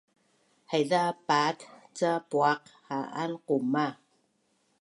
Haiza paat ca puaq ha’an qumah